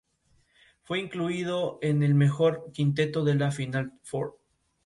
Fue censurada durante la dictadura militar.